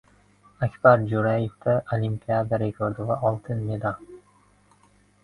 Akbar Jo‘rayevda olimpiada rekordi va oltin medal!